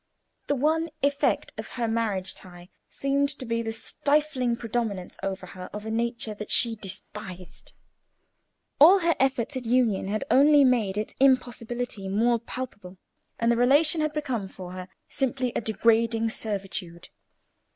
The one effect of her marriage tie seemed to be the stifling predominance over her of a nature that she despised. All her efforts at union had only made its impossibility more palpable, and the relation had become for her simply a degrading servitude.